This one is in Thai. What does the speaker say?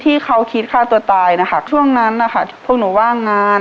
ที่เขาคิดฆ่าตัวตายช่วงนั้นพวกหนูว่างาน